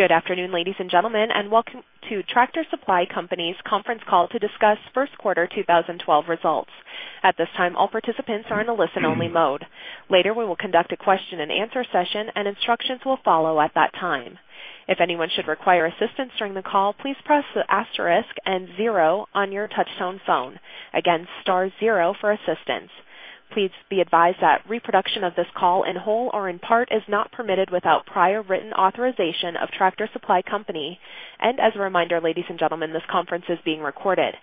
Good afternoon, ladies and gentlemen, and welcome to Tractor Supply Company's Conference Call to discuss first quarter 2012 results. At this time, all participants are in a listen-only mode. Later, we will conduct a question and answer session, and instructions will follow at that time. If anyone should require assistance during the call, please press the asterisk and zero on your touch-tone phone. Again, star zero for assistance. Please be advised that reproduction of this call in whole or in part is not permitted without prior written authorization of Tractor Supply Company. As a reminder, ladies and gentlemen, this conference is being recorded.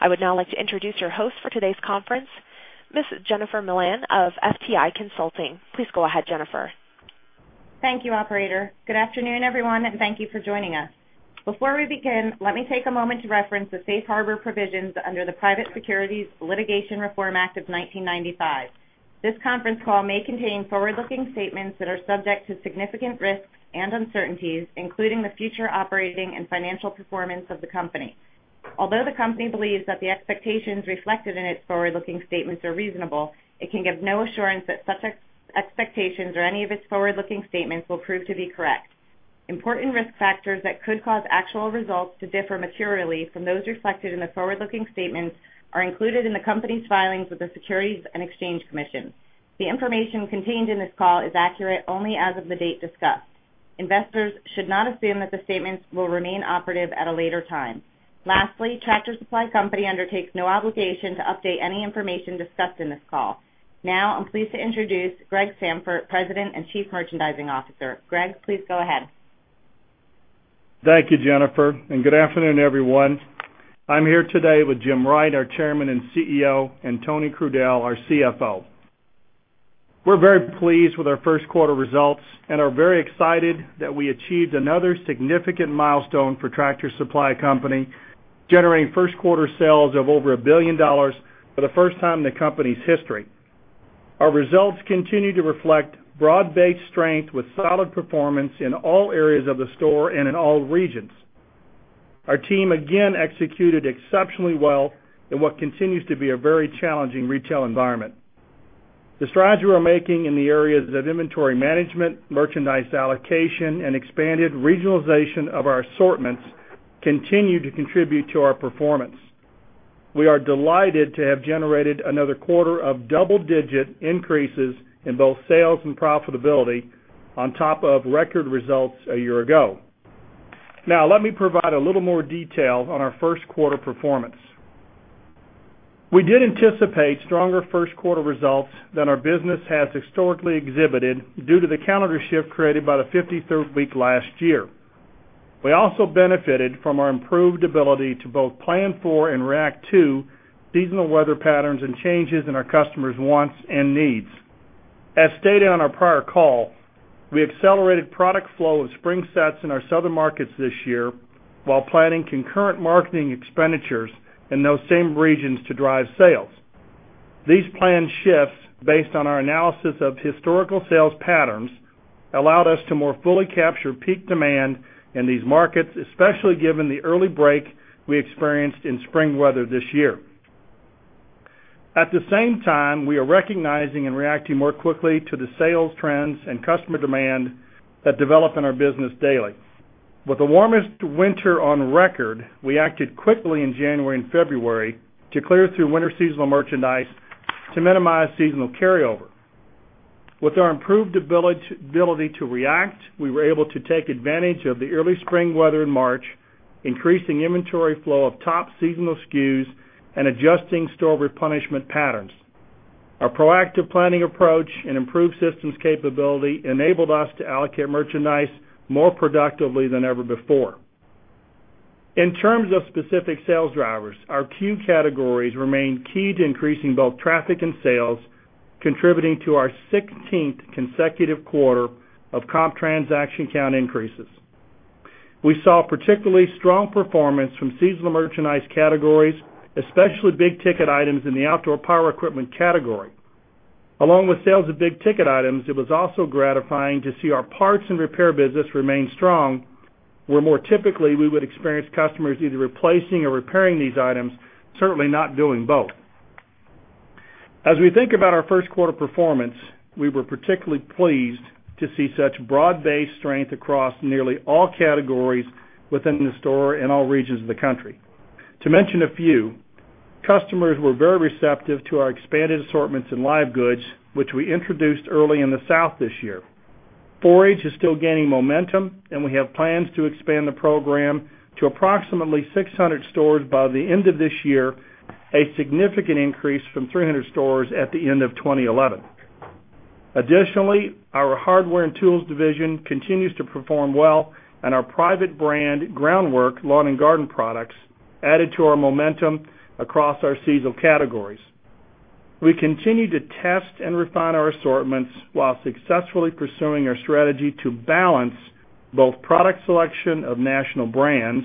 I would now like to introduce your host for today's conference, Ms. Jennifer Milan of FTI Consulting. Please go ahead, Jennifer. Thank you, operator. Good afternoon, everyone, and thank you for joining us. Before we begin, let me take a moment to reference the Safe Harbor provisions under the Private Securities Litigation Reform Act of 1995. This conference call may contain forward-looking statements that are subject to significant risks and uncertainties, including the future operating and financial performance of the company. Although the company believes that the expectations reflected in its forward-looking statements are reasonable, it can give no assurance that such expectations or any of its forward-looking statements will prove to be correct. Important risk factors that could cause actual results to differ materially from those reflected in the forward-looking statements are included in the company's filings with the Securities and Exchange Commission. The information contained in this call is accurate only as of the date discussed. Investors should not assume that the statements will remain operative at a later time. Lastly, Tractor Supply Company undertakes no obligation to update any information discussed in this call. Now, I'm pleased to introduce Gregory Sandfort, President and Chief Merchandising Officer. Greg, please go ahead. Thank you, Jennifer, and good afternoon, everyone. I'm here today with Jim Wright, our Chairman and CEO, and Tony Crudele, our CFO. We're very pleased with our first quarter results and are very excited that we achieved another significant milestone for Tractor Supply Company, generating first quarter sales of over $1 billion for the first time in the company's history. Our results continue to reflect broad-based strength with solid performance in all areas of the store and in all regions. Our team again executed exceptionally well in what continues to be a very challenging retail environment. The strides we are making in the areas of inventory management, merchandise allocation, and expanded regionalization of our assortments continue to contribute to our performance. We are delighted to have generated another quarter of double-digit increases in both sales and profitability on top of record results a year ago. Now, let me provide a little more detail on our first quarter performance. We did anticipate stronger first quarter results than our business has historically exhibited due to the calendar shift created by the 53rd week last year. We also benefited from our improved ability to both plan for and react to seasonal weather patterns and changes in our customers' wants and needs. As stated on our prior call, we accelerated product flow of spring sets in our southern markets this year while planning concurrent marketing expenditures in those same regions to drive sales. These planned shifts, based on our analysis of historical sales patterns, allowed us to more fully capture peak demand in these markets, especially given the early break we experienced in spring weather this year. At the same time, we are recognizing and reacting more quickly to the sales trends and customer demand that develop in our business daily. With the warmest winter on record, we acted quickly in January and February to clear through winter seasonal merchandise to minimize seasonal carryover. With our improved ability to react, we were able to take advantage of the early spring weather in March, increasing inventory flow of top seasonal SKUs and adjusting store replenishment patterns. Our proactive planning approach and improved systems capability enabled us to allocate merchandise more productively than ever before. In terms of specific sales drivers, our cue categories remain key to increasing both traffic and sales, contributing to our 16th consecutive quarter of comp transaction count increases. We saw particularly strong performance from seasonal merchandise categories, especially big-ticket items in the outdoor power equipment category. Along with sales of big-ticket items, it was also gratifying to see our parts and repair business remain strong, where more typically we would experience customers either replacing or repairing these items, certainly not doing both. As we think about our first quarter performance, we were particularly pleased to see such broad-based strength across nearly all categories within the store in all regions of the country. To mention a few, customers were very receptive to our expanded assortments and live goods, which we introduced early in the South this year. Forage is still gaining momentum, and we have plans to expand the program to approximately 600 stores by the end of this year, a significant increase from 300 stores at the end of 2011. Additionally, our hardware and tools division continues to perform well, and our private label GroundWork lawn and garden products added to our momentum across our seasonal categories. We continue to test and refine our assortments while successfully pursuing our strategy to balance both product selection of national brands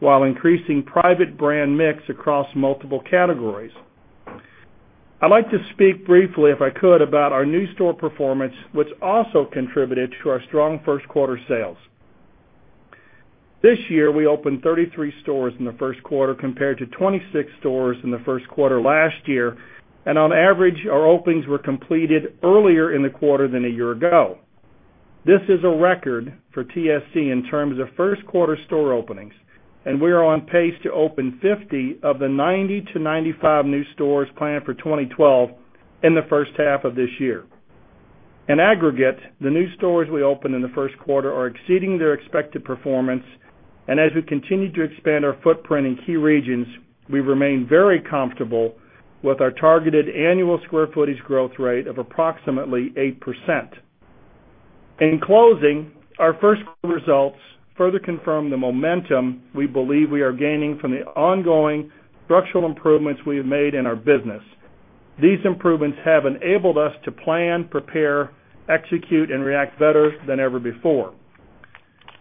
while increasing private label mix across multiple categories. I'd like to speak briefly, if I could, about our new store performance, which also contributed to our strong first quarter sales. This year, we opened 33 stores in the first quarter compared to 26 stores in the first quarter last year, and on average, our openings were completed earlier in the quarter than a year ago. This is a record for Tractor Supply Company in terms of first quarter store openings, and we are on pace to open 50 of the 90-95 new stores planned for 2012 in the first half of this year. In aggregate, the new stores we opened in the first quarter are exceeding their expected performance, and as we continue to expand our footprint in key regions, we remain very comfortable with our targeted annual square footage growth rate of approximately 8%. In closing, our first quarter results further confirm the momentum we believe we are gaining from the ongoing structural improvements we have made in our business. These improvements have enabled us to plan, prepare, execute, and react better than ever before.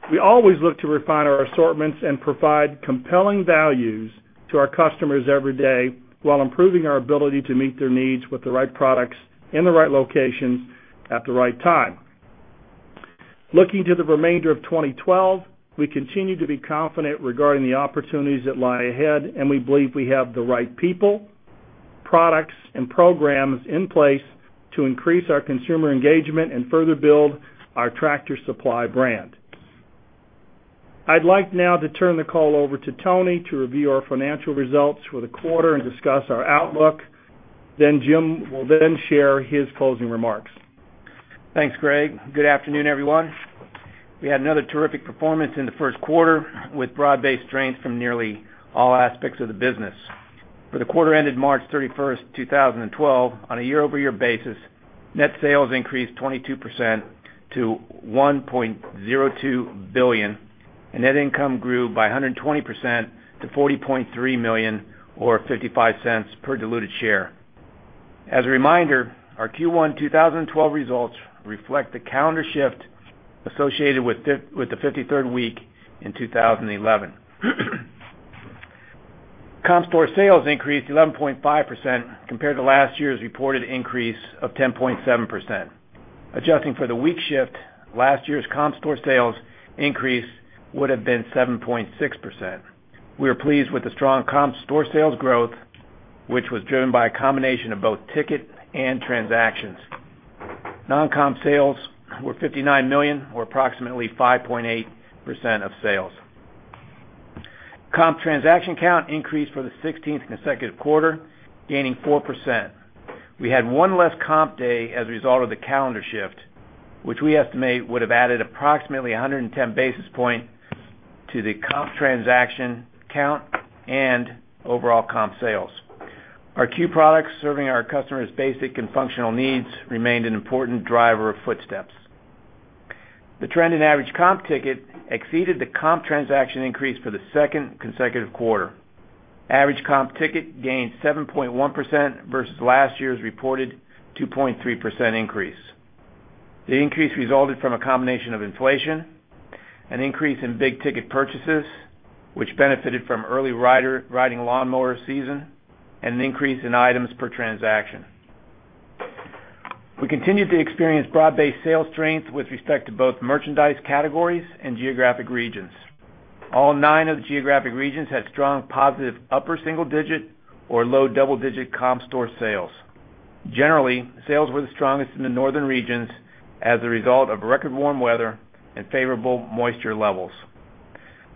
We always look to refine our assortments and provide compelling values to our customers every day while improving our ability to meet their needs with the right products in the right locations at the right time. Looking to the remainder of 2012, we continue to be confident regarding the opportunities that lie ahead, and we believe we have the right people, products, and programs in place to increase our consumer engagement and further build our Tractor Supply brand. I'd like now to turn the call over to Tony to review our financial results for the quarter and discuss our outlook. Jim will then share his closing remarks. Thanks, Greg. Good afternoon, everyone. We had another terrific performance in the first quarter with broad-based strength from nearly all aspects of the business. For the quarter ended March 31st, 2012, on a year-over-year basis, net sales increased 22% to $1.02 billion, and net income grew by 120% to $40.3 million or $0.55 per diluted share. As a reminder, our Q1 2012 results reflect the calendar shift associated with the 53rd week in 2011. Comparable store sales increased 11.5% compared to last year's reported increase of 10.7%. Adjusting for the week shift, last year's comparable store sales increase would have been 7.6%. We are pleased with the strong comparable store sales growth, which was driven by a combination of both ticket and transactions. Non-comparable sales were $59 million or approximately 5.8% of sales. Comparable transaction count increased for the 16th consecutive quarter, gaining 4%. We had one less comparable day as a result of the calendar shift, which we estimate would have added approximately 110 basis points to the comparable transaction count and overall comparable sales. Our core products serving our customers' basic and functional needs remained an important driver of footsteps. The trend in average comparable ticket exceeded the comparable transaction increase for the second consecutive quarter. Average comparable ticket gained 7.1% versus last year's reported 2.3% increase. The increase resulted from a combination of inflation, an increase in big-ticket purchases, which benefited from early riding lawnmower season, and an increase in items per transaction. We continued to experience broad-based sales strength with respect to both merchandise categories and geographic regions. All nine of the geographic regions had strong positive upper single-digit or low double-digit comparable store sales. Generally, sales were the strongest in the northern regions as a result of record warm weather and favorable moisture levels.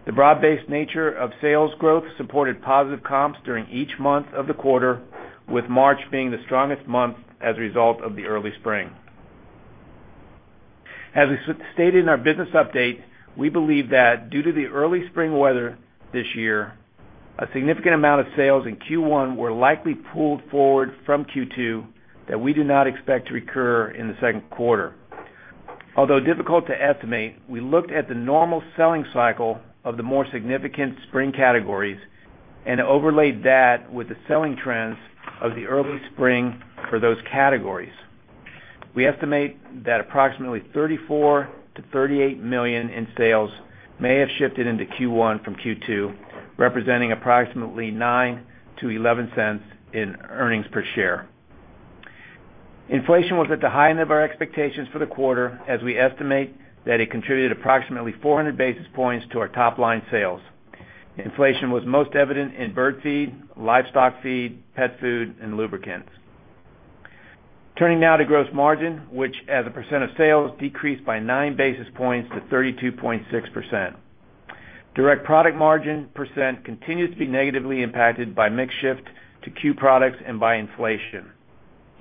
The broad-based nature of sales growth supported positive comps during each month of the quarter, with March being the strongest month as a result of the early spring. As we stated in our business update, we believe that due to the early spring weather this year, a significant amount of sales in Q1 were likely pulled forward from Q2 that we do not expect to recur in the second quarter. Although difficult to estimate, we looked at the normal selling cycle of the more significant spring categories and overlaid that with the selling trends of the early spring for those categories. We estimate that approximately $34 million-$38 million in sales may have shifted into Q1 from Q2, representing approximately $0.09-$0.11 in earnings per share. Inflation was at the high end of our expectations for the quarter, as we estimate that it contributed approximately 400 basis points to our top line sales. Inflation was most evident in bird feed, livestock feed, pet food, and lubricants. Turning now to gross margin, which as a percent of sales decreased by 9 basis points to 32.6%. Direct product margin percent continues to be negatively impacted by mix shift to cue products and by inflation.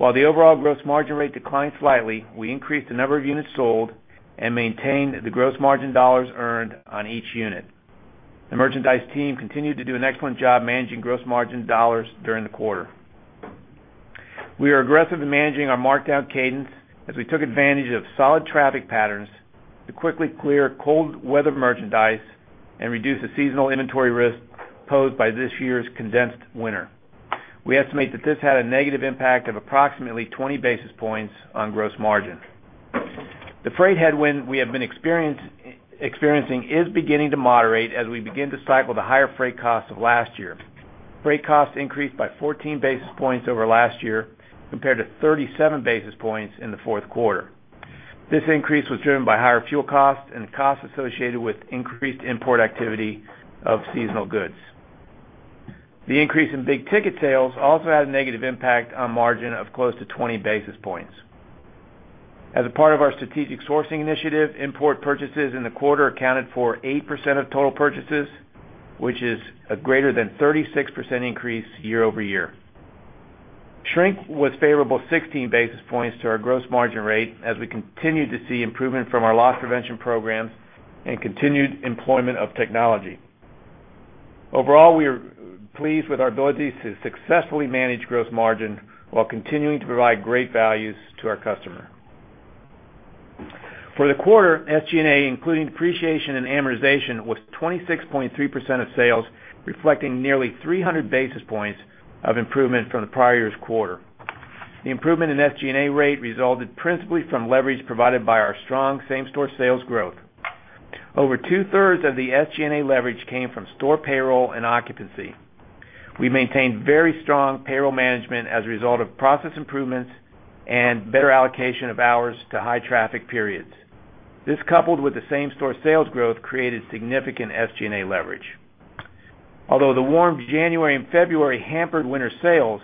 While the overall gross margin rate declined slightly, we increased the number of units sold and maintained the gross margin dollars earned on each unit. The merchandise team continued to do an excellent job managing gross margin dollars during the quarter. We are aggressive in managing our markdown cadence as we took advantage of solid traffic patterns to quickly clear cold weather merchandise and reduce the seasonal inventory risk posed by this year's condensed winter. We estimate that this had a negative impact of approximately 20 basis points on gross margin. The freight headwind we have been experiencing is beginning to moderate as we begin to cycle the higher freight costs of last year. Freight costs increased by 14 basis points over last year compared to 37 basis points in the fourth quarter. This increase was driven by higher fuel costs and costs associated with increased import activity of seasonal goods. The increase in big-ticket sales also had a negative impact on margin of close to 20 basis points. As a part of our strategic sourcing initiative, import purchases in the quarter accounted for 8% of total purchases, which is a greater than 36% increase year_over-year. Shrink was favorable 16 basis points to our gross margin rate as we continued to see improvement from our loss prevention programs and continued employment of technology. Overall, we are pleased with our ability to successfully manage gross margin while continuing to provide great values to our customer. For the quarter, SG&A, including depreciation and amortization, was 26.3% of sales, reflecting nearly 300 basis points of improvement from the prior year's quarter. The improvement in SG&A rate resulted principally from leverage provided by our strong same-store sales growth. Over two-thirds of the SG&A leverage came from store payroll and occupancy. We maintained very strong payroll management as a result of process improvements and better allocation of hours to high traffic periods. This, coupled with the same-store sales growth, created significant SG&A leverage. Although the warm January and February hampered winter sales,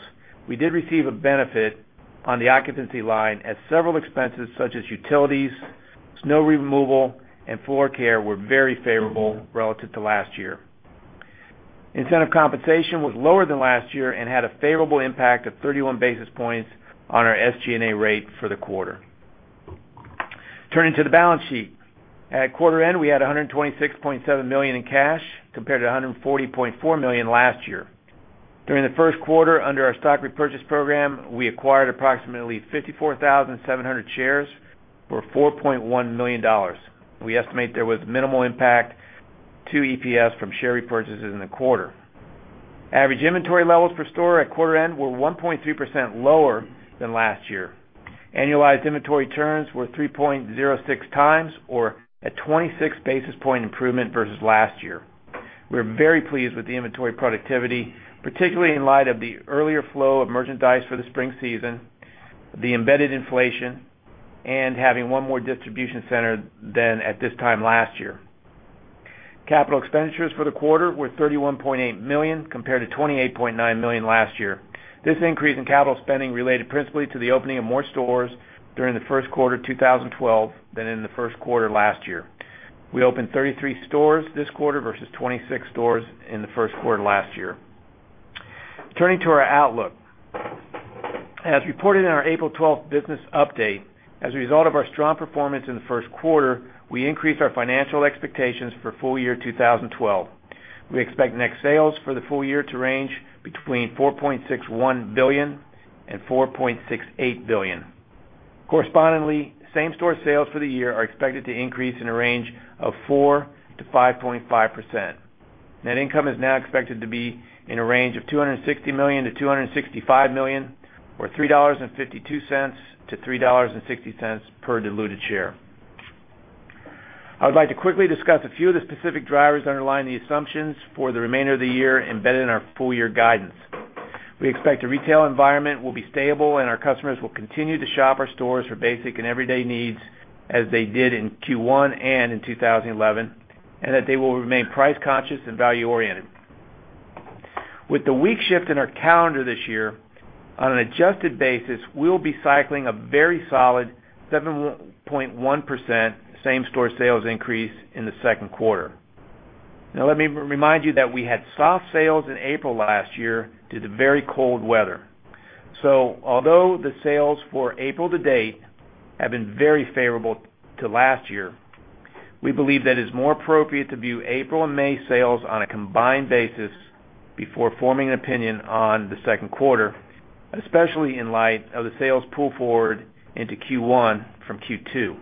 we did receive a benefit on the occupancy line as several expenses such as utilities, snow removal, and floor care were very favorable relative to last year. Incentive compensation was lower than last year and had a favorable impact of 31 basis points on our SG&A rate for the quarter. Turning to the balance sheet, at quarter end, we had $126.7 million in cash compared to $140.4 million last year. During the first quarter, under our stock repurchase program, we acquired approximately 54,700 shares for $4.1 million. We estimate there was minimal impact to EPS from share repurchases in the quarter. Average inventory levels per store at quarter end were 1.3% lower than last year. Annualized inventory turns were 3.06x or a 26 basis point improvement versus last year. We're very pleased with the inventory productivity, particularly in light of the earlier flow of merchandise for the spring season, the embedded inflation, and having one more distribution center than at this time last year. Capital expenditures for the quarter were $31.8 million compared to $28.9 million last year. This increase in capital spending related principally to the opening of more stores during the first quarter of 2012 than in the first quarter last year. We opened 33 stores this quarter versus 26 stores in the first quarter last year. Turning to our outlook, as reported in our April 12th business update, as a result of our strong performance in the first quarter, we increased our financial expectations for full year 2012. We expect net sales for the full year to range between $4.61 billion and $4.68 billion. Correspondingly, same-store sales for the year are expected to increase in a range of 4%-5.5%. Net income is now expected to be in a range of $260 million-$265 million or $3.52-$3.60 per diluted share. I would like to quickly discuss a few of the specific drivers that underline the assumptions for the remainder of the year embedded in our full year guidance. We expect the retail environment will be stable and our customers will continue to shop our stores for basic and everyday needs as they did in Q1 and in 2011, and that they will remain price conscious and value-oriented. With the week shift in our calendar this year, on an adjusted basis, we'll be cycling a very solid 7.1% comparable store sales increase in the second quarter. Now, let me remind you that we had soft sales in April last year due to very cold weather. Although the sales for April to date have been very favorable to last year, we believe that it is more appropriate to view April and May sales on a combined basis before forming an opinion on the second quarter, especially in light of the sales pull forward into Q1 from Q2.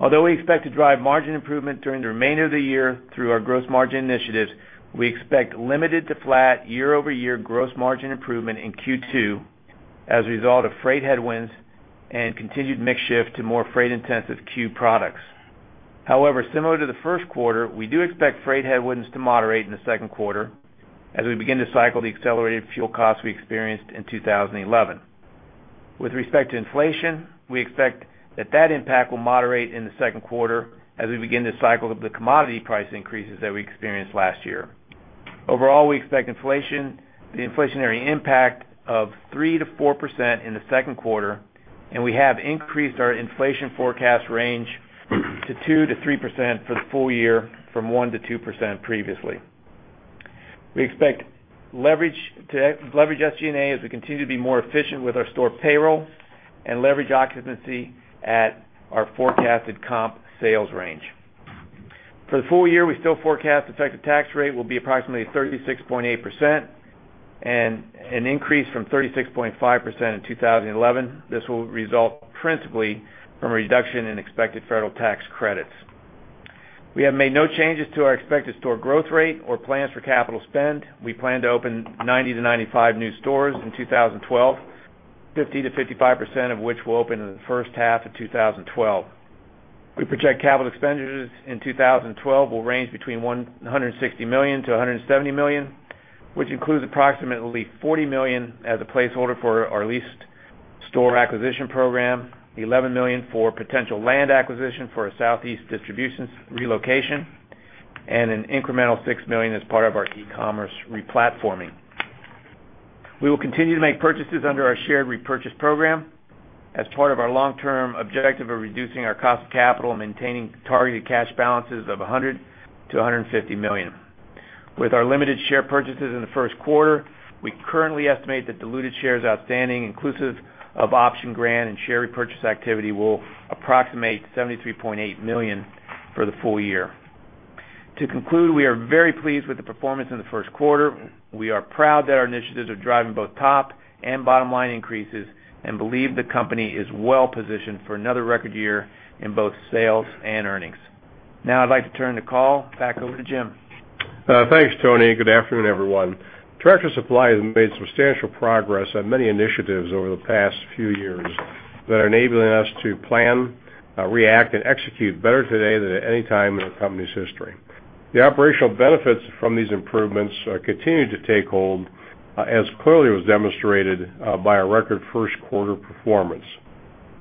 Although we expect to drive margin improvement during the remainder of the year through our gross margin initiatives, we expect limited to flat year-over-year gross margin improvement in Q2 as a result of freight headwinds and continued mix shift to more freight-intensive queue products. However, similar to the first quarter, we do expect freight headwinds to moderate in the second quarter as we begin to cycle the accelerated fuel costs we experienced in 2011. With respect to inflation, we expect that impact will moderate in the second quarter as we begin to cycle the commodity price increases that we experienced last year. Overall, we expect the inflationary impact of 3%-4% in the second quarter, and we have increased our inflation forecast range to 2%-3% for the full year from 1%-2% previously. We expect to leverage SG&A as we continue to be more efficient with our store payroll and leverage occupancy at our forecasted comp sales range. For the full year, we still forecast the effective tax rate will be approximately 36.8%, an increase from 36.5% in 2011. This will result principally from a reduction in expected federal tax credits. We have made no changes to our expected store growth rate or plans for capital spend. We plan to open 90-95 new stores in 2012, 50%-55% of which will open in the first half of 2012. We project capital expenditures in 2012 will range between $160 million-$170 million, which includes approximately $40 million as a placeholder for our lease store acquisition program, $11 million for potential land acquisition for a southeast distribution relocation, and an incremental $6 million as part of our e-commerce replatforming. We will continue to make purchases under our share repurchase program as part of our long-term objective of reducing our cost of capital and maintaining targeted cash balances of $100 million-$150 million. With our limited share repurchases in the first quarter, we currently estimate that diluted shares outstanding, inclusive of option grant and share repurchase activity, will approximate $73.8 million for the full year. To conclude, we are very pleased with the performance in the first quarter. We are proud that our initiatives are driving both top and bottom line increases and believe the company is well positioned for another record year in both sales and earnings. Now, I'd like to turn the call back over to Jim. Thanks, Tony. Good afternoon, everyone. Tractor Supply Company has made substantial progress on many initiatives over the past few years that are enabling us to plan, react, and execute better today than at any time in the company's history. The operational benefits from these improvements continue to take hold, as clearly was demonstrated by our record first quarter performance.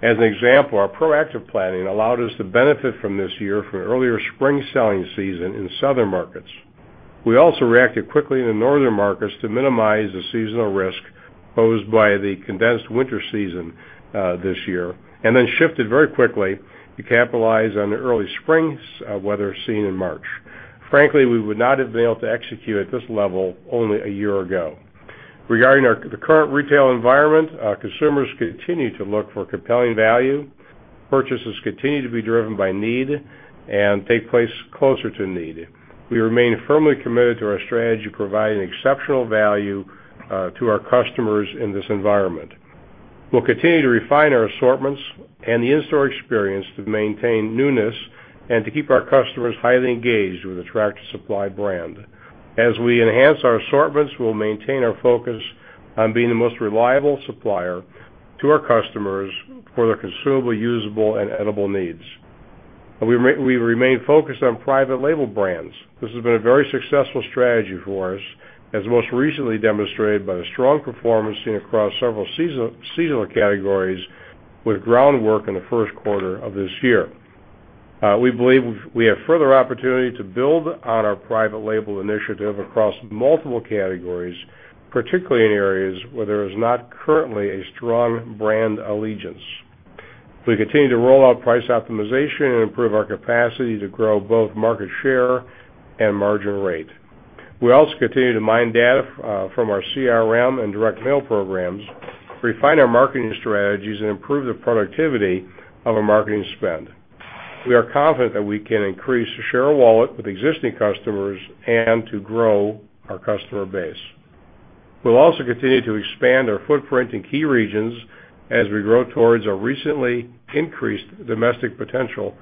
As an example, our proactive planning allowed us to benefit this year from the earlier spring selling season in southern markets. We also reacted quickly in the northern markets to minimize the seasonal risk posed by the condensed winter season this year and then shifted very quickly to capitalize on the early spring weather seen in March. Frankly, we would not have been able to execute at this level only a year ago. Regarding the current retail environment, consumers continue to look for compelling value. Purchases continue to be driven by need and take place closer to need. We remain firmly committed to our strategy providing exceptional value to our customers in this environment. We will continue to refine our assortments and the in-store experience to maintain newness and to keep our customers highly engaged with the Tractor Supply Company brand. As we enhance our assortments, we will maintain our focus on being the most reliable supplier to our customers for their consumable, usable, and edible needs. We remain focused on private label brands. This has been a very successful strategy for us, as most recently demonstrated by the strong performance seen across several seasonal categories with GroundWork in the first quarter of this year. We believe we have further opportunity to build on our private label initiative across multiple categories, particularly in areas where there is not currently a strong brand allegiance. If we continue to roll out price optimization and improve our capacity to grow both market share and margin rate, we also continue to mine data from our CRM and direct mail programs, refine our marketing strategies, and improve the productivity of our marketing spend. We are confident that we can increase the share of wallet with existing customers and grow our customer base. We will also continue to expand our footprint in key regions as we grow towards a recently increased domestic potential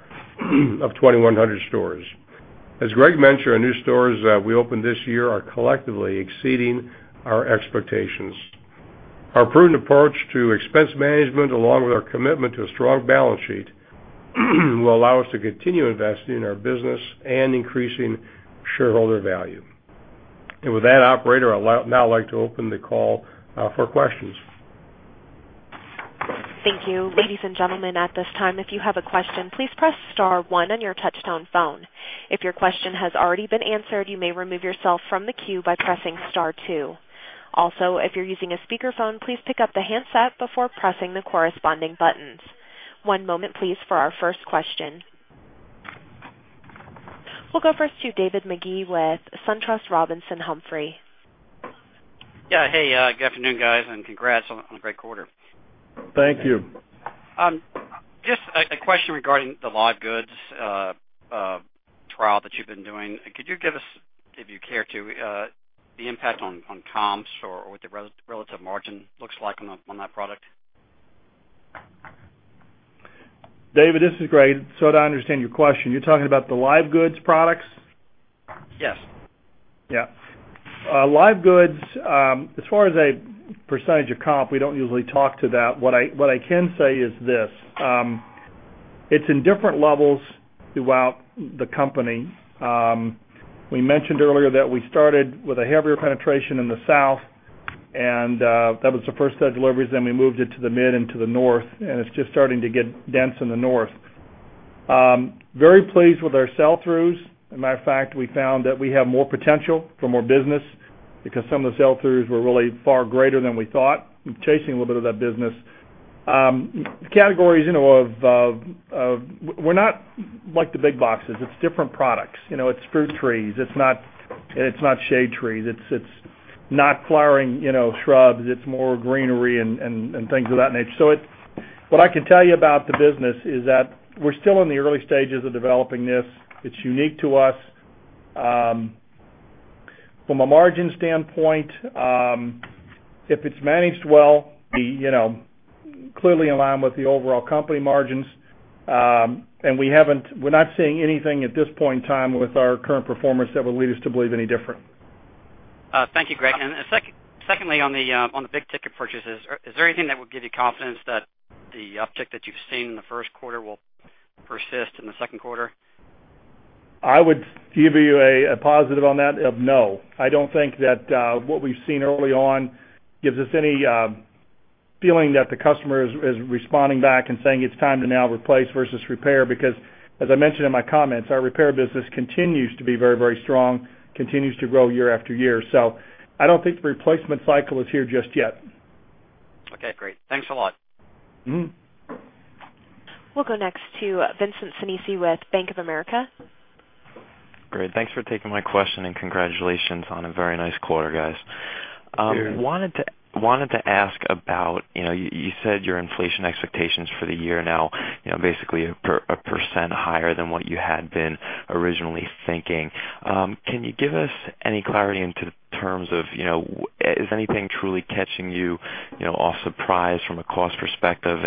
of 2,100 stores. As Greg mentioned, our new stores that we opened this year are collectively exceeding our expectations. Our prudent approach to expense management, along with our commitment to a strong balance sheet, will allow us to continue investing in our business and increasing shareholder value. With that, operator, I'd now like to open the call for questions. Thank you. Ladies and gentlemen, at this time, if you have a question, please press star one on your touch-tone phone. If your question has already been answered, you may remove yourself from the queue by pressing star two. Also, if you're using a speakerphone, please pick up the handset before pressing the corresponding buttons. One moment, please, for our first question. We'll go first to David Magee SunTrust Robinson Humphrey. Yeah, hey, good afternoon, guys, and congrats on a great quarter. Thank you. Just a question regarding the live goods trial that you've been doing. Could you give us, if you care to, the impact on comps or what the relative margin looks like on that product? David, this is Greg. I understand your question. You're talking about the live goods products? Yes. Yeah. Live goods, as far as a percentage of comp, we don't usually talk to that. What I can say is this. It's in different levels throughout the company. We mentioned earlier that we started with a heavier penetration in the South, and that was the first set of deliveries. We moved it to the mid and to the North, and it's just starting to get dense in the North. Very pleased with our sell-throughs. As a matter of fact, we found that we have more potential for more business because some of the sell-throughs were really far greater than we thought, chasing a little bit of that business. The categories, you know, we're not like the big boxes. It's different products. You know, it's fruit trees. It's not, and it's not shade trees. It's not flowering, you know, shrubs. It's more greenery and things of that nature. What I can tell you about the business is that we're still in the early stages of developing this. It's unique to us. From a margin standpoint, if it's managed well, clearly in line with the overall company margins. We haven't, we're not seeing anything at this point in time with our current performance that would lead us to believe any different. Thank you, Greg. Secondly, on the big-ticket purchases, is there anything that would give you confidence that the uptick that you've seen in the first quarter will persist in the second quarter? I would give you a positive on that of no. I don't think that what we've seen early on gives us any feeling that the customer is responding back and saying it's time to now replace versus repair, because, as I mentioned in my comments, our repair business continues to be very, very strong and continues to grow year after year. I don't think the replacement cycle is here just yet. Okay, great. Thanks a lot. We'll go next to Vincent Sinisi with Bank of America. Great. Thanks for taking my question and congratulations on a very nice quarter, guys. Thank you. Wanted to ask about, you said your inflation expectations for the year now, basically a % higher than what you had been originally thinking. Can you give us any clarity into the terms of, is anything truly catching you off surprise from a cost perspective?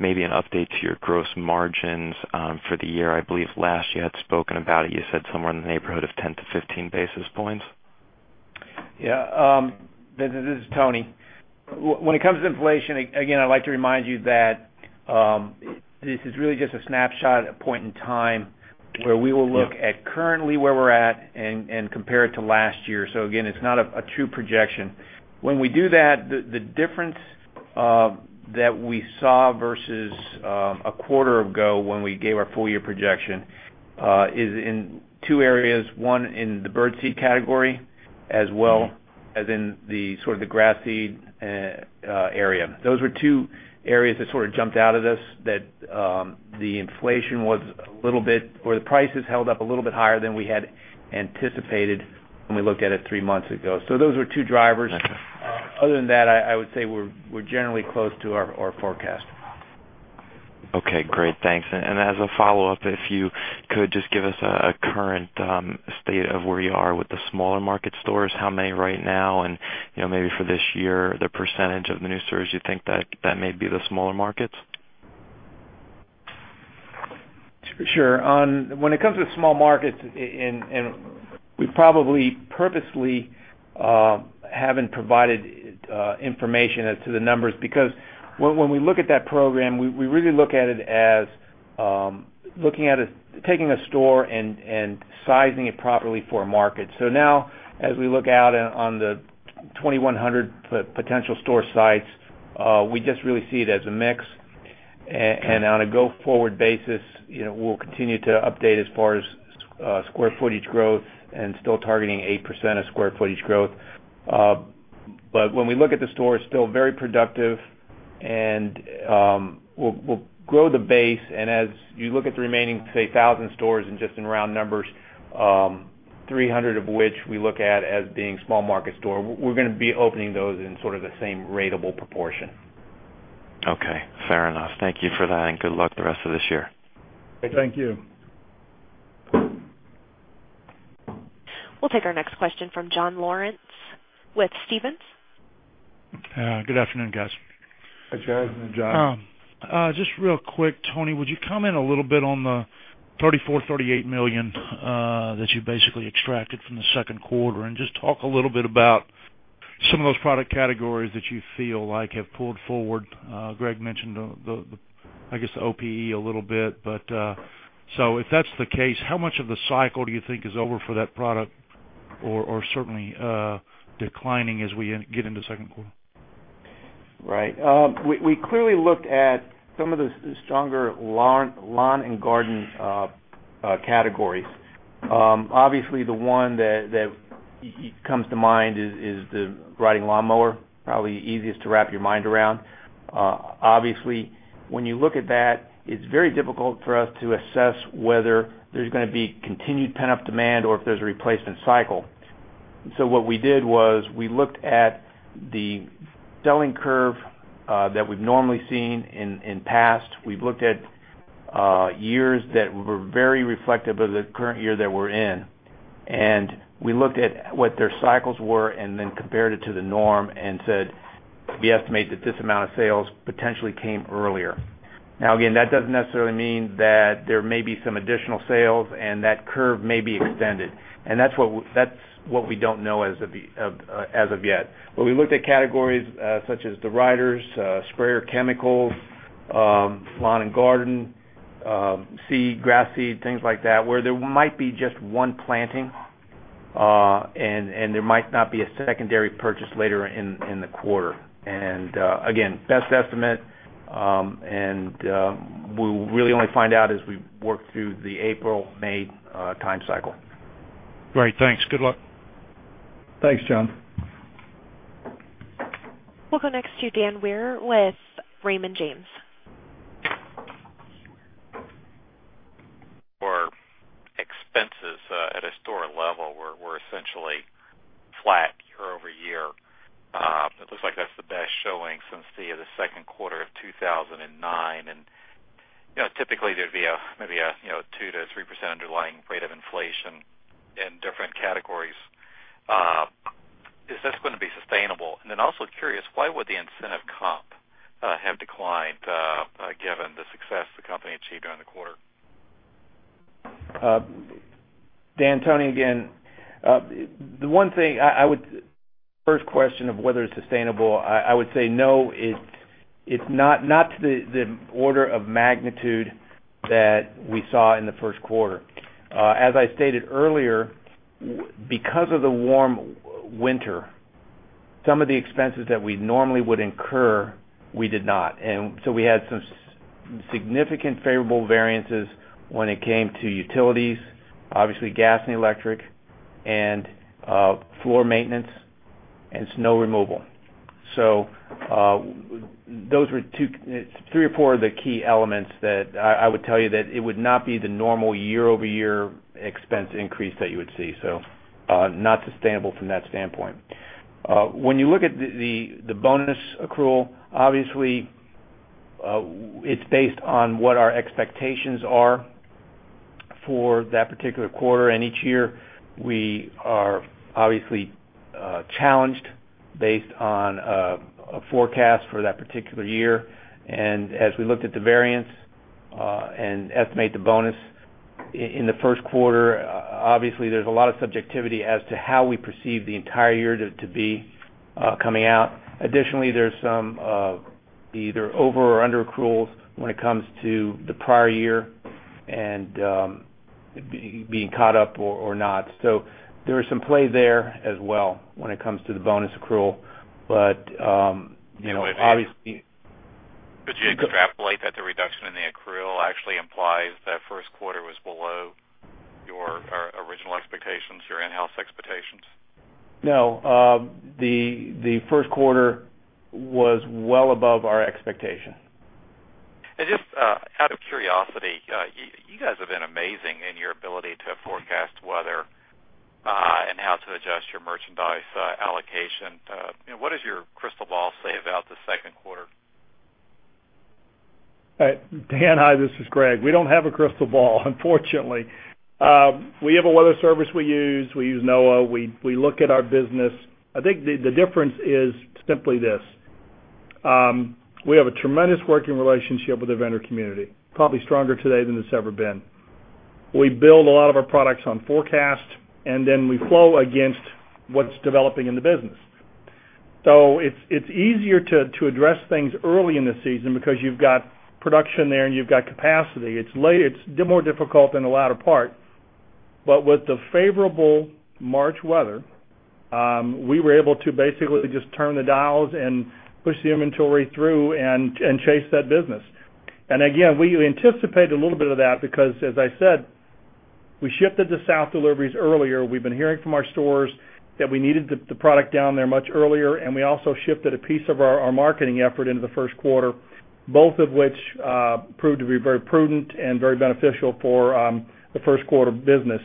Maybe an update to your gross margins for the year. I believe last year you had spoken about it. You said somewhere in the neighborhood of 10 to 15 basis points. Yeah. This is Tony. When it comes to inflation, again, I'd like to remind you that this is really just a snapshot at a point in time where we will look at currently where we're at and compare it to last year. It's not a true projection. When we do that, the difference that we saw versus a quarter ago when we gave our full-year projection is in two areas, one in the bird seed category, as well as in the sort of the grass seed area. Those were two areas that jumped out at us that the inflation was a little bit, or the prices held up a little bit higher than we had anticipated when we looked at it three months ago. Those were two drivers. Other than that, I would say we're generally close to our forecast. Okay, great. Thanks. If you could just give us a current state of where you are with the smaller market stores, how many right now, and maybe for this year, the percentage of the new stores you think that may be the smaller markets? Sure. When it comes to small markets, we probably purposely haven't provided information as to the numbers because when we look at that program, we really look at it as taking a store and sizing it properly for a market. As we look out on the 2,100 potential store sites, we just really see it as a mix. On a go-forward basis, we'll continue to update as far as square footage growth and still targeting 8% of square footage growth. When we look at the stores, still very productive, and we'll grow the base. As you look at the remaining, say, 1,000 stores, and just in round numbers, 300 of which we look at as being small market store, we're going to be opening those in sort of the same ratable proportion. Okay, fair enough. Thank you for that, and good luck the rest of this year. Thank you. We'll take our next question from John Lawrence with Stephens. Good afternoon, guys. Good afternoon, John. Just real quick, Tony, would you comment a little bit on the $34 million, $38 million that you basically extracted from the second quarter and just talk a little bit about some of those product categories that you feel like have pulled forward? Greg mentioned the, I guess, the outdoor power equipment a little bit. If that's the case, how much of the cycle do you think is over for that product or certainly declining as we get into the second quarter? Right. We clearly looked at some of the stronger lawn and garden categories. Obviously, the one that comes to mind is the riding lawnmower, probably easiest to wrap your mind around. Obviously, when you look at that, it's very difficult for us to assess whether there's going to be continued pent-up demand or if there's a replacement cycle. What we did was we looked at the selling curve that we've normally seen in the past. We've looked at years that were very reflective of the current year that we're in. We looked at what their cycles were and then compared it to the norm and said, we estimate that this amount of sales potentially came earlier. That doesn't necessarily mean that there may be some additional sales and that curve may be extended. That's what we don't know as of yet. We looked at categories such as the riders, sprayer chemicals, lawn and garden, seed, grass seed, things like that, where there might be just one planting and there might not be a secondary purchase later in the quarter. Again, best estimate, and we'll really only find out as we work through the April-May time cycle. Great. Thanks. Good luck. Thanks, John. We'll go next to Dan Wewer with Raymond James. For expenses at a store level, we're essentially flat year over year. It looks like that's the best showing since the second quarter of 2009. Typically, there'd be maybe a 2%-3% underlying rate of inflation in different categories. Is this going to be sustainable? Also curious, why would the incentive comp have declined given the success the company achieved during the quarter? Dan, Tony, again, the one thing I would first question of whether it's sustainable, I would say no, it's not to the order of magnitude that we saw in the first quarter. As I stated earlier, because of the warm winter, some of the expenses that we normally would incur, we did not. We had some significant favorable variances when it came to utilities, obviously gas and electric, and floor maintenance and snow removal. Those were two, three or four of the key elements that I would tell you that it would not be the normal year-over-year expense increase that you would see. Not sustainable from that standpoint. When you look at the bonus accrual, obviously, it's based on what our expectations are for that particular quarter. Each year, we are obviously challenged based on a forecast for that particular year. As we looked at the variance and estimate the bonus in the first quarter, obviously, there's a lot of subjectivity as to how we perceive the entire year to be coming out. Additionally, there's some either over or under accruals when it comes to the prior year and being caught up or not. There are some plays there as well when it comes to the bonus accrual. But, you know, obviously. Could you extrapolate that the reduction in the accrual actually implies that first quarter was below your original expectations, your in-house expectations? No, the first quarter was well above our expectation. You guys have been amazing in your ability to forecast weather and how to adjust your merchandise allocation. What does your crystal ball say about the second quarter? Dan, hi, this is Greg. We don't have a crystal ball, unfortunately. We have a weather service we use. We use NOAA. We look at our business. I think the difference is simply this: we have a tremendous working relationship with the vendor community, probably stronger today than it's ever been. We build a lot of our products on forecast, and then we flow against what's developing in the business. It's easier to address things early in the season because you've got production there and you've got capacity. It's more difficult in the latter part. With the favorable March weather, we were able to basically just turn the dials and push the inventory through and chase that business. We anticipated a little bit of that because, as I said, we shifted the south deliveries earlier. We've been hearing from our stores that we needed the product down there much earlier. We also shifted a piece of our marketing effort into the first quarter, both of which proved to be very prudent and very beneficial for the first quarter business.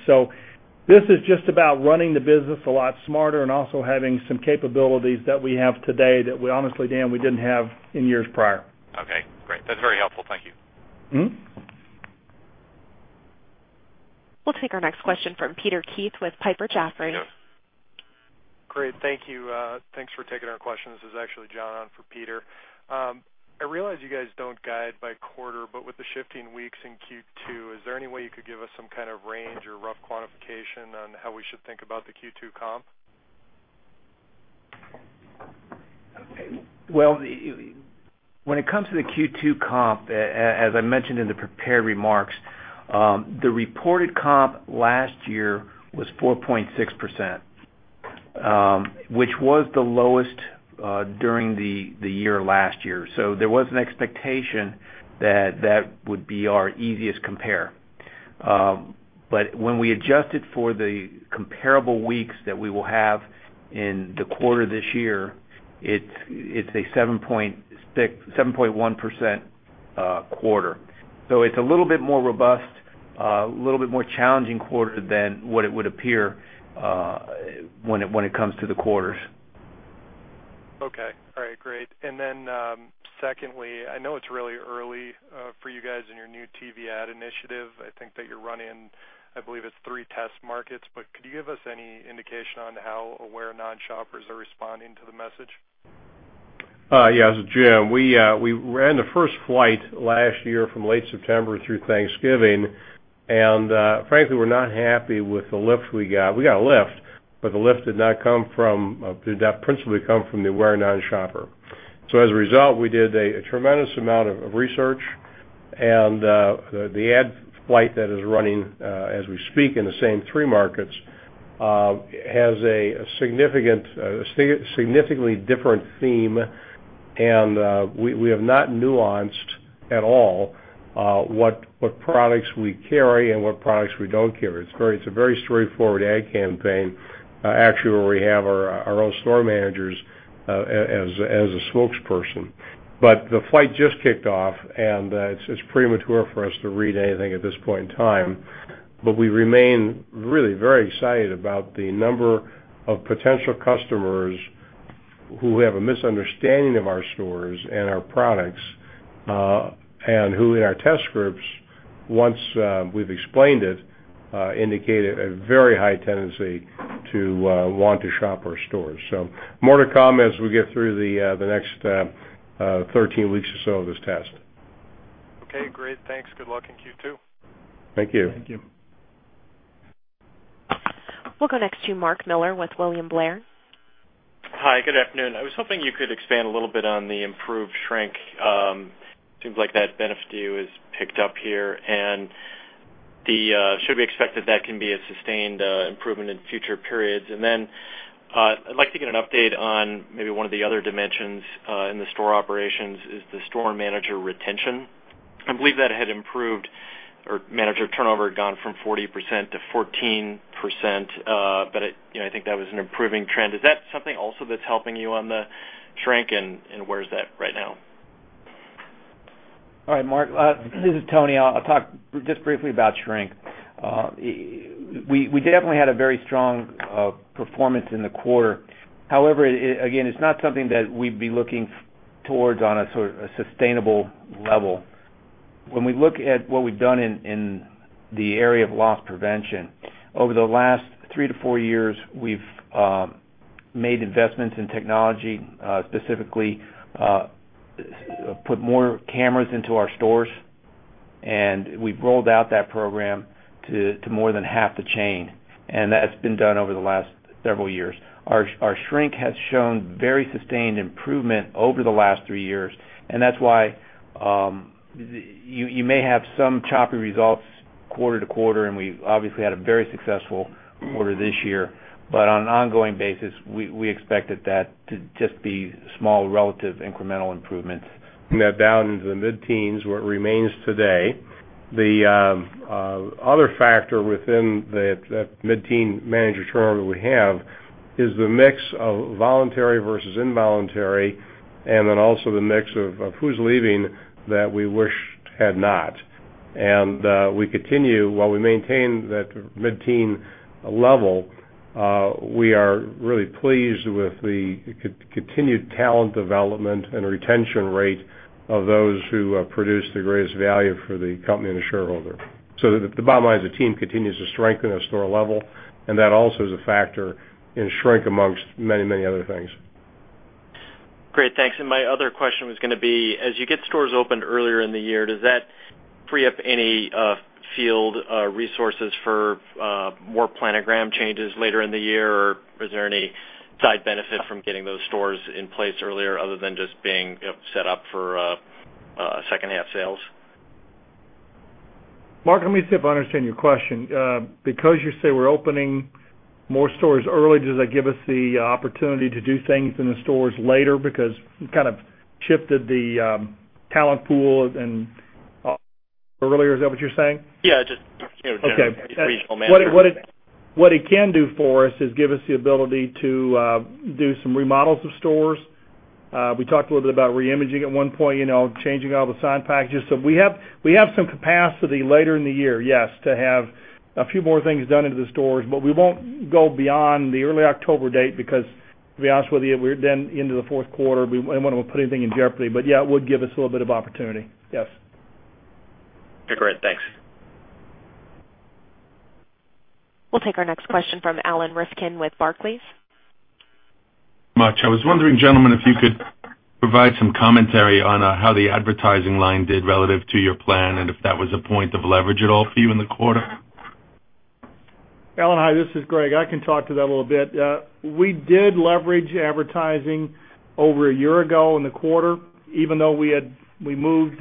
This is just about running the business a lot smarter and also having some capabilities that we have today that we honestly, Dan, we didn't have in years prior. Okay, great. That's very helpful. Thank you. We'll take our next question from Peter Keith with Piper Jaffray. Great. Thank you. Thanks for taking our questions. This is actually John for Peter. I realize you guys don't guide by quarter, but with the shifting weeks in Q2, is there any way you could give us some kind of range or rough quantification on how we should think about the Q2 comp? When it comes to the Q2 comp, as I mentioned in the prepared remarks, the reported comp last year was 4.6%, which was the lowest during the year last year. There was an expectation that that would be our easiest compare. When we adjusted for the comparable weeks that we will have in the quarter this year, it's a 7.1% quarter. It's a little bit more robust, a little bit more challenging quarter than what it would appear when it comes to the quarters. Okay. All right, great. Secondly, I know it's really early for you guys in your new TV ad initiative. I think that you're running, I believe it's three test markets, but could you give us any indication on how aware non-shoppers are responding to the message? Yeah, this is Jim. We ran the first flight last year from late September through Thanksgiving. Frankly, we're not happy with the lift we got. We got a lift, but the lift did not come from, did not principally come from the Aware non-shopper. As a result, we did a tremendous amount of research. The ad flight that is running as we speak in the same three markets has a significantly different theme. We have not nuanced at all what products we carry and what products we don't carry. It's a very straightforward ad campaign, actually, where we have our own store managers as a spokesperson. The flight just kicked off, and it's premature for us to read anything at this point in time. We remain really very excited about the number of potential customers who have a misunderstanding of our stores and our products and who in our test scripts, once we've explained it, indicate a very high tendency to want to shop our stores. More to come as we get through the next 13 weeks or so of this test. Okay, great. Thanks. Good luck in Q2. Thank you. Thank you. We'll go next towith Mark Miller with William Blair Hi, good afternoon. I was hoping you could expand a little bit on the improved shrink. It seems like that benefit to you is picked up here. Should we expect that that can be a sustained improvement in future periods? I'd like to get an update on maybe one of the other dimensions in the store operations, which is the store manager retention. I believe that had improved or manager turnover had gone from 40% to 14%, but I think that was an improving trend. Is that something also that's helping you on the shrink, and where's that right now? All right, Mark, this is Tony. I'll talk just briefly about shrink. We definitely had a very strong performance in the quarter. However, again, it's not something that we'd be looking towards on a sustainable level. When we look at what we've done in the area of loss prevention over the last three to four years, we've made investments in technology, specifically put more cameras into our stores. We've rolled out that program to more than half the chain, and that's been done over the last several years. Our shrink has shown very sustained improvement over the last three years. That's why you may have some choppy results quarter to quarter, and we obviously had a very successful quarter this year. On an ongoing basis, we expect that to just be small relative incremental improvements. That down into the mid-teens where it remains today. The other factor within that mid-teen manager turnover we have is the mix of voluntary versus involuntary, and then also the mix of who's leaving that we wished had not. We continue, while we maintain that mid-teen level, we are really pleased with the continued talent development and retention rate of those who produce the greatest value for the company and the shareholder. The bottom line is the team continues to strengthen at store level, and that also is a factor in shrink amongst many, many other things. Great, thanks. My other question was going to be, as you get stores opened earlier in the year, does that free up any field resources for more planogram changes later in the year, or is there any side benefit from getting those stores in place earlier other than just being set up for second-half sales? Mark, let me see if I understand your question. Because you say we're opening more stores early, does that give us the opportunity to do things in the stores later because you kind of shifted the talent pool earlier? Is that what you're saying? Yeah, just general. Okay. What it can do for us is give us the ability to do some remodels of stores. We talked a little bit about reimaging at one point, you know, changing all the sign packages. We have some capacity later in the year, yes, to have a few more things done into the stores. We won't go beyond the early October date because, to be honest with you, we're then into the fourth quarter. We don't want to put anything in jeopardy. Yeah, it would give us a little bit of opportunity, yes. Okay, great. Thanks. We'll take our next question from Alan Rifkin with Barclays. I was wondering, gentlemen, if you could provide some commentary on how the advertising line did relative to your plan and if that was a point of leverage at all for you in the quarter. Alan, hi, this is Greg. I can talk to that a little bit. We did leverage advertising over a year ago in the quarter, even though we moved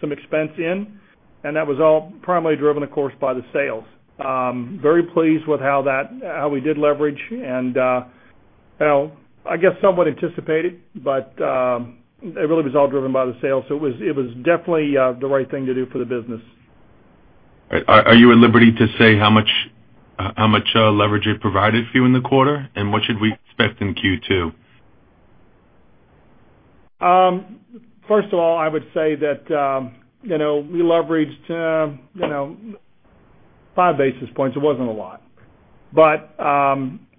some expense in. That was all primarily driven, of course, by the sales. Very pleased with how we did leverage. I guess somewhat anticipated, but it really was all driven by the sales. It was definitely the right thing to do for the business. Are you at liberty to say how much leverage it provided for you in the quarter? What should we expect in Q2? First of all, I would say that we leveraged five basis points. It wasn't a lot.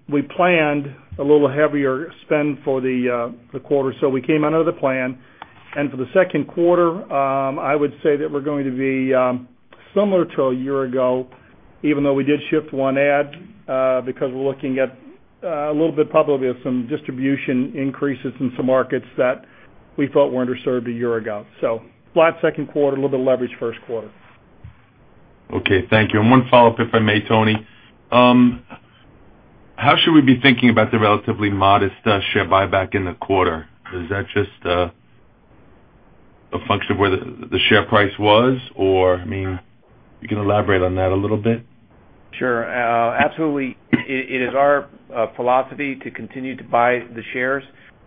We planned a little heavier spend for the quarter, so we came under the plan. For the second quarter, I would say that we're going to be similar to a year ago, even though we did shift one ad because we're looking at a little bit probably of some distribution increases in some markets that we felt were underserved a year ago. Flat second quarter, a little bit of leverage first quarter. Okay, thank you. One follow-up, if I may, Tony. How should we be thinking about the relatively modest share repurchases in the quarter? Is that just a function of where the share price was, or you can elaborate on that a little bit? Sure. Absolutely. It is our philosophy to continue to buy the shares,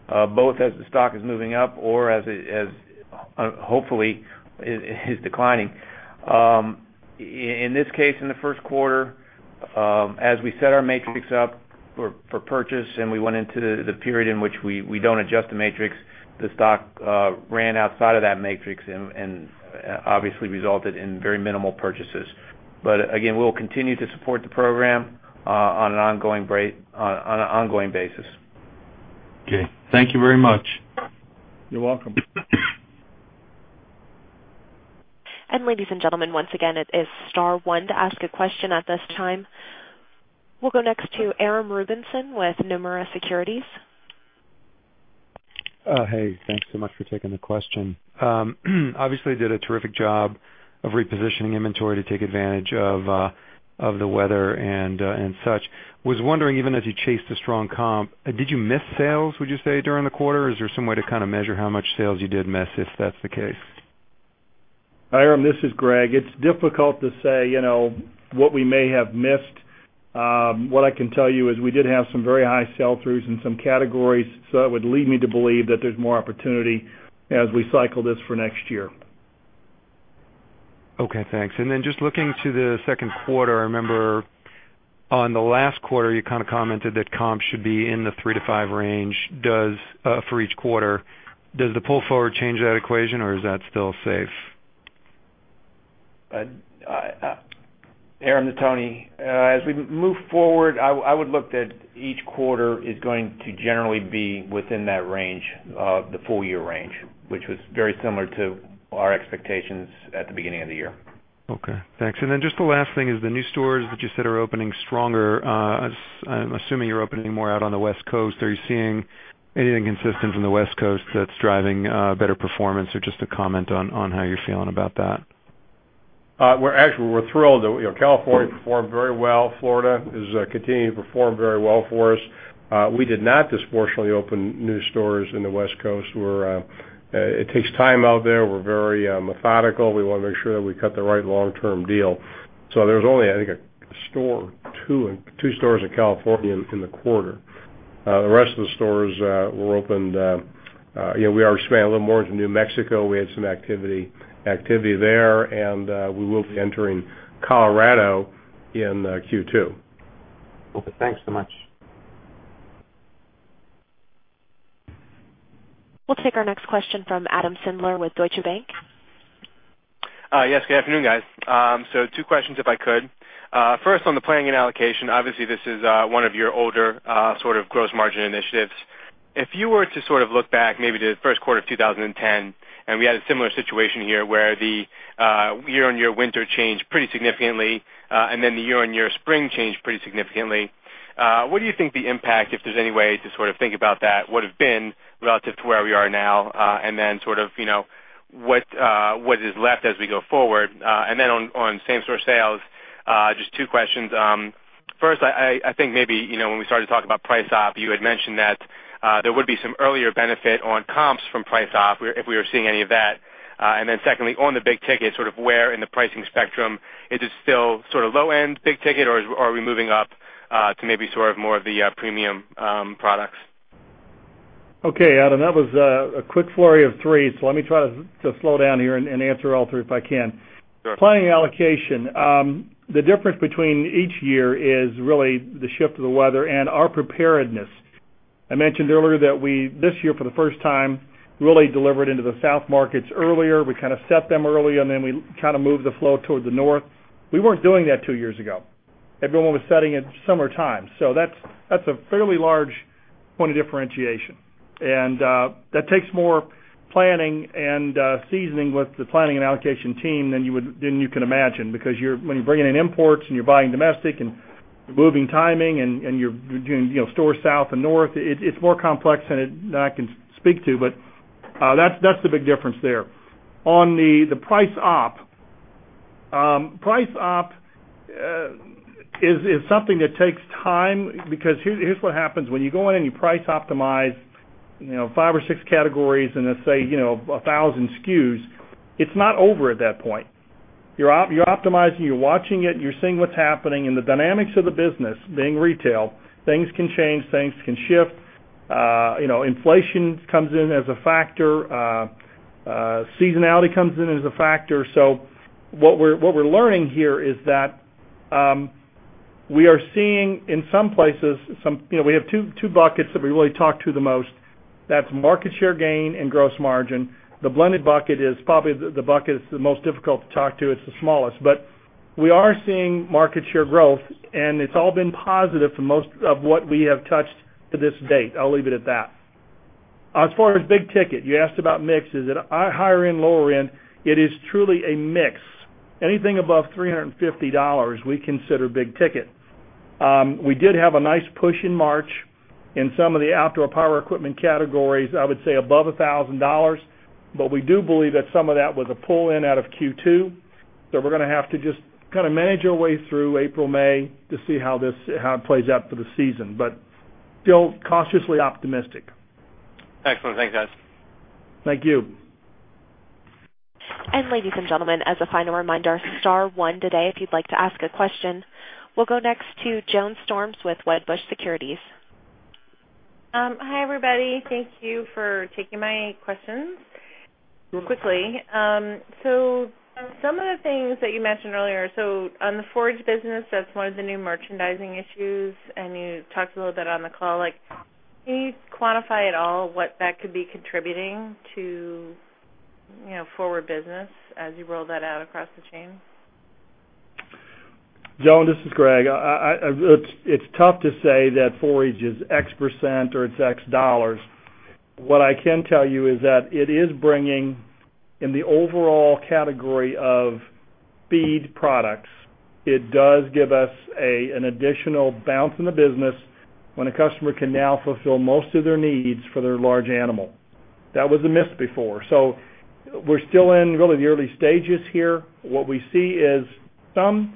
both as the stock is moving up or as it hopefully is declining. In this case, in the first quarter, as we set our matrix up for purchase and we went into the period in which we don't adjust the matrix, the stock ran outside of that matrix and obviously resulted in very minimal purchases. Again, we'll continue to support the program on an ongoing basis. Okay, thank you very much. You're welcome. Ladies and gentlemen, once again, it is star one to ask a question at this time. We'll go next to Aram Rubinson with Nomura Securities. Hey, thanks so much for taking the question. Obviously, did a terrific job of repositioning inventory to take advantage of the weather and such. I was wondering, even as you chased the strong comp, did you miss sales, would you say, during the quarter? Is there some way to kind of measure how much sales you did miss, if that's the case? Aaron, this is Greg. It's difficult to say what we may have missed. What I can tell you is we did have some very high sell-throughs in some categories. That would lead me to believe that there's more opportunity as we cycle this for next year. Okay, thanks. Just looking to the second quarter, I remember on the last quarter, you kind of commented that comps should be in the 3%-5% range for each quarter. Does the pull forward change that equation, or is that still safe? Aaron, this is Tony. As we move forward, I would look that each quarter is going to generally be within that range, the full-year range, which was very similar to our expectations at the beginning of the year. Okay, thanks. The last thing is the new stores that you said are opening stronger. I'm assuming you're opening more out on the West Coast. Are you seeing anything consistent from the West Coast that's driving better performance, or just a comment on how you're feeling about that? Actually, we're thrilled that California performed very well. Florida is continuing to perform very well for us. We did not, disproportionately, open new stores in the West Coast. It takes time out there. We're very methodical. We want to make sure that we cut the right long-term deal. There's only, I think, a store or two stores in California in the quarter. The rest of the stores were opened. We are expanding a little more into New Mexico. We had some activity there, and we will be entering Colorado in Q2. Okay, thanks so much. We'll take our next question from Adam Sindler with Deutsche Bank. Yes, good afternoon, guys. Two questions, if I could. First, on the planning and allocation, obviously, this is one of your older sort of gross margin initiatives. If you were to sort of look back maybe to the first quarter of 2010, and we had a similar situation here where the year-on-year winter changed pretty significantly, and then the year-on-year spring changed pretty significantly. What do you think the impact, if there's any way to sort of think about that, would have been relative to where we are now? What is left as we go forward? On comparable store sales, just two questions. First, I think maybe, you know, when we started to talk about price off, you had mentioned that there would be some earlier benefit on comps from price off if we were seeing any of that. Secondly, on the big ticket, sort of where in the pricing spectrum is it still sort of low-end big ticket, or are we moving up to maybe sort of more of the premium products? Okay, Adam, that was a quick flurry of three. Let me try to slow down here and answer all three if I can. Planning allocation, the difference between each year is really the shift of the weather and our preparedness. I mentioned earlier that we this year, for the first time, really delivered into the south markets earlier. We kind of set them earlier, and then we kind of moved the flow toward the north. We were not doing that two years ago. Everyone was setting at similar times. That is a fairly large point of differentiation. That takes more planning and seasoning with the planning and allocation team than you can imagine because when you are bringing in imports and you are buying domestic and moving timing and you are doing stores south and north, it is more complex than I can speak to. That is the big difference there. On the price op, price op is something that takes time because here is what happens. When you go in and you price optimize, you know, five or six categories and let's say, you know, 1,000 SKUs, it is not over at that point. You are optimizing, you are watching it, and you are seeing what is happening in the dynamics of the business being retail. Things can change, things can shift. Inflation comes in as a factor. Seasonality comes in as a factor. What we are learning here is that we are seeing in some places, you know, we have two buckets that we really talk to the most. That is market share gain and gross margin. The blended bucket is probably the bucket that is the most difficult to talk to. It is the smallest. We are seeing market share growth, and it is all been positive for most of what we have touched to this date. I will leave it at that. As far as big ticket, you asked about mixes at higher end, lower end. It is truly a mix. Anything above $350, we consider big ticket. We did have a nice push in March in some of the outdoor power equipment categories, I would say above $1,000. We do believe that some of that was a pull-in out of Q2. We are going to have to just kind of manage our way through April, May to see how this plays out for the season. Still cautiously optimistic. Excellent. Thanks, guys. Thank you. Ladies and gentlemen, as a final reminder, star one today if you'd like to ask a question. We'll go next to Joan Storms with Wedbush Securities. Hi, everybody. Thank you for taking my questions real quickly. Some of the things that you mentioned earlier, on the forage business, that's one of the new merchandising issues. You talked a little bit on the call. Can you quantify at all what that could be contributing to forward business as you roll that out across the chain? Joan, this is Greg. It's tough to say that forage is X% or it's X dollars. What I can tell you is that it is bringing in the overall category of feed products. It does give us an additional bounce in the business when a customer can now fulfill most of their needs for their large animal. That was a miss before. We're still in really the early stages here. What we see is some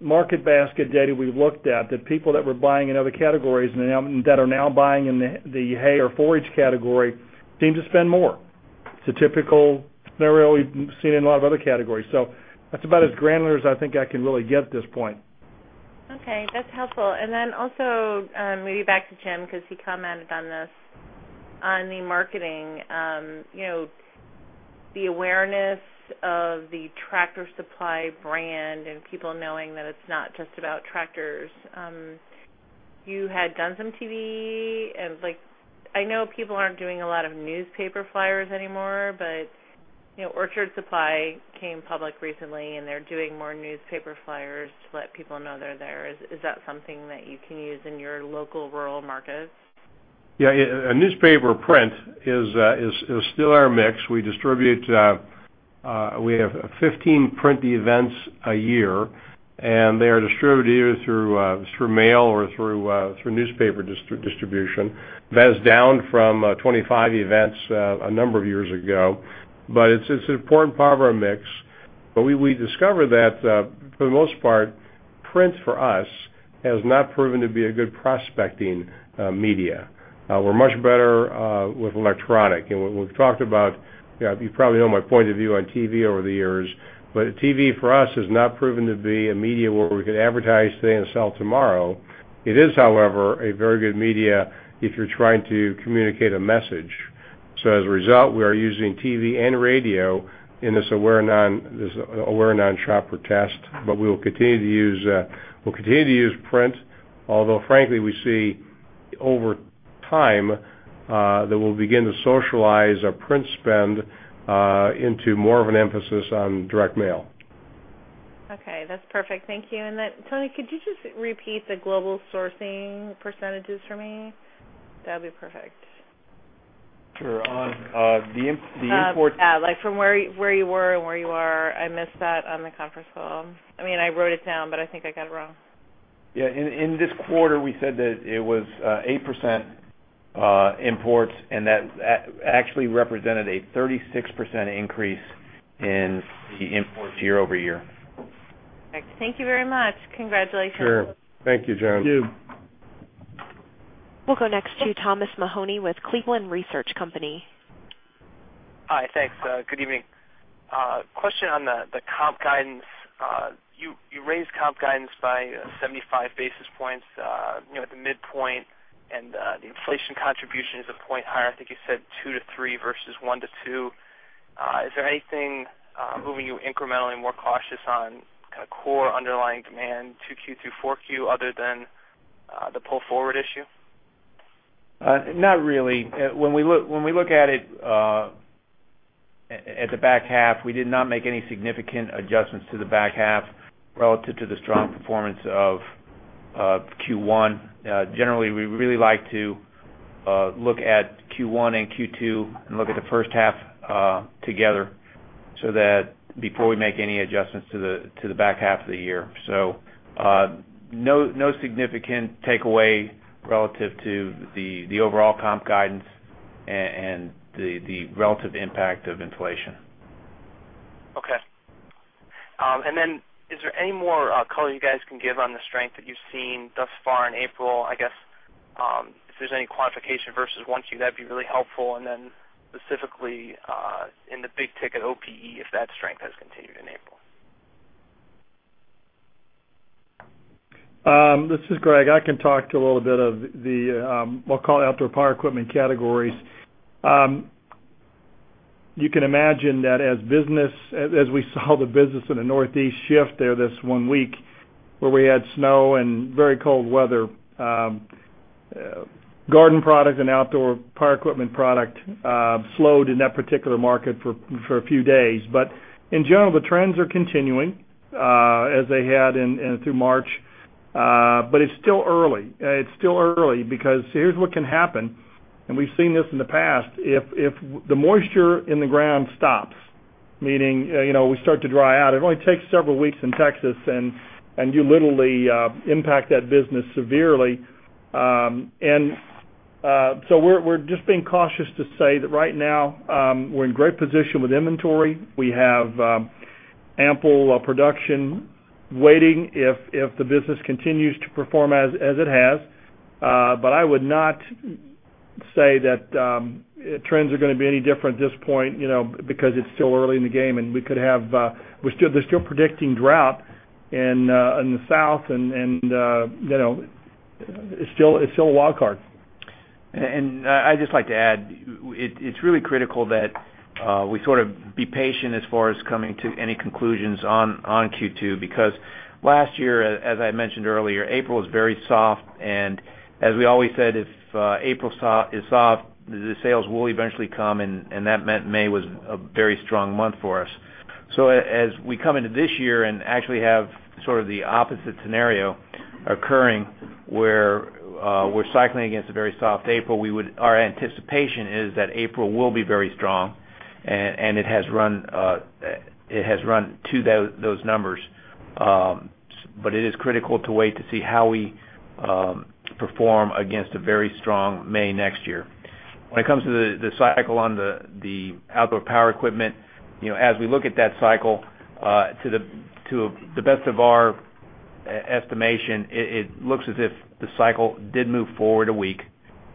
market basket data we've looked at that people that were buying in other categories and that are now buying in the hay or forage category seem to spend more. It's a typical scenario we've seen in a lot of other categories. That's about as granular as I think I can really get at this point. Okay, that's helpful. Also, maybe back to Jim because he commented on this. On the marketing, you know, the awareness of the Tractor Supply brand and people knowing that it's not just about tractors. You had done some TV, and like I know people aren't doing a lot of newspaper flyers anymore, but you know, Orchard Supply came public recently, and they're doing more newspaper flyers to let people know they're there. Is that something that you can use in your local rural markets? Yeah, newspaper print is still our mix. We have 15 print events a year, and they are distributed either through mail or through newspaper distribution. That is down from 25 events a number of years ago. It is an important part of our mix. We discovered that for the most part, print for us has not proven to be a good prospecting media. We are much better with electronic. You probably know my point of view on TV over the years, but TV for us has not proven to be a media where we can advertise today and sell tomorrow. It is, however, a very good media if you are trying to communicate a message. As a result, we are using TV and radio in this Aware non-shopper test. We will continue to use print, although frankly, we see over time that we will begin to socialize our print spend into more of an emphasis on direct mail. Okay, that's perfect. Thank you. Tony, could you just repeat the global sourcing percentages for me? That would be perfect. Sure. On the imports. Yeah, like from where you were and where you are. I missed that on the conference call. I mean, I wrote it down, but I think I got it wrong. Yeah, in this quarter, we said that it was 8% imports, and that actually represented a 36% increase in the imports year over year. Thank you very much. Congratulations. Sure. Thank you, Joan. Thank you. We'll go next to Thomas Mahoney with Cleveland Research Company. Hi, thanks. Good evening. Question on the comp guidance. You raised comp guidance by 75 basis points at the midpoint, and the inflation contribution is a point higher. I think you said 2 %-3% versus 1 2%. Is there anything moving you incrementally more cautious on kind of core underlying demand 2Q through 4Q other than the pull forward issue? Not really. When we look at it at the back half, we did not make any significant adjustments to the back half relative to the strong performance of Q1. Generally, we really like to look at Q1 and Q2 and look at the first half together before we make any adjustments to the back half of the year. No significant takeaway relative to the overall comp guidance and the relative impact of inflation. Okay. Is there any more color you guys can give on the strength that you've seen thus far in April? If there's any quantification versus 1Q, that'd be really helpful. Specifically, in the big ticket outdoor power equipment, if that strength has continued in April. This is Greg. I can talk to a little bit of the, we'll call it outdoor power equipment categories. You can imagine that as business, as we saw the business in the northeast shift there this one week where we had snow and very cold weather, garden products and outdoor power equipment product slowed in that particular market for a few days. In general, the trends are continuing as they had through March. It's still early because here's what can happen. We've seen this in the past. If the moisture in the ground stops, meaning, you know, we start to dry out, it only takes several weeks in Texas, and you literally impact that business severely. We're just being cautious to say that right now we're in great position with inventory. We have ample production waiting if the business continues to perform as it has. I would not say that trends are going to be any different at this point, you know, because it's still early in the game. We could have, we're still predicting drought in the south, and you know, it's still a wild card. I’d just like to add, it’s really critical that we sort of be patient as far as coming to any conclusions on Q2 because last year, as I mentioned earlier, April is very soft. As we always said, if April is soft, the sales will eventually come, and that meant May was a very strong month for us. As we come into this year and actually have sort of the opposite scenario occurring where we’re cycling against a very soft April, our anticipation is that April will be very strong. It has run to those numbers. It is critical to wait to see how we perform against a very strong May next year. When it comes to the cycle on the outdoor power equipment, as we look at that cycle, to the best of our estimation, it looks as if the cycle did move forward a week.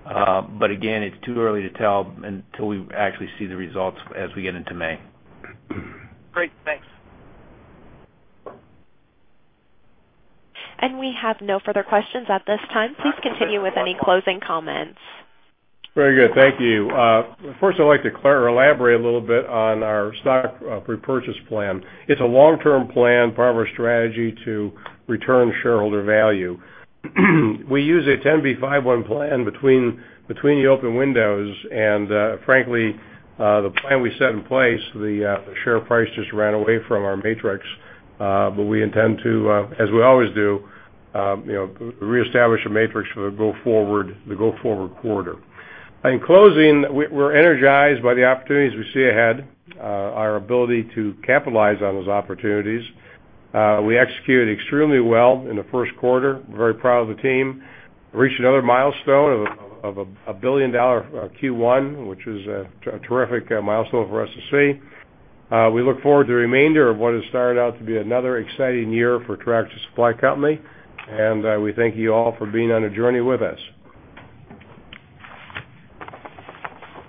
Again, it’s too early to tell until we actually see the results as we get into May. Great, thanks. We have no further questions at this time. Please continue with any closing comments. Very good. Thank you. First, I'd like to elaborate a little bit on our stock repurchase plan. It's a long-term plan, part of our strategy to return shareholder value. We use a 10b5-1 plan between the open windows. Frankly, the plan we set in place, the share price just ran away from our matrix. We intend to, as we always do, reestablish a matrix for the go-forward quarter. In closing, we're energized by the opportunities we see ahead, our ability to capitalize on those opportunities. We executed extremely well in the first quarter. I'm very proud of the team. We reached another milestone of a $1 billion Q1, which was a terrific milestone for us to see. We look forward to the remainder of what has started out to be another exciting year for Tractor Supply Company. We thank you all for being on the journey with us.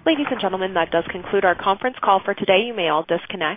Ladies and gentlemen, that does conclude our conference call for today. You may all disconnect.